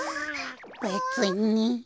べつに。